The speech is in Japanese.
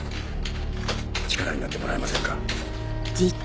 力になってもらえませんか？